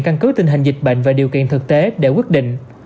căn cứ tình hình dịch bệnh và điều kiện thực tế để quyết định